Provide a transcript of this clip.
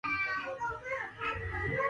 Maonyesho ya Nane nane yakabindi Mkoani Simiyu